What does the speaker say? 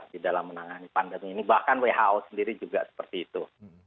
di dalam menangani pandemi ini bahkan who sendiri juga seperti itu